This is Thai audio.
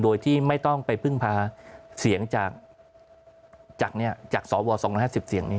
โดยที่ไม่ต้องไปพึ่งพาเสียงจากสว๒๕๐เสียงนี้